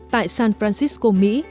tại san francisco mỹ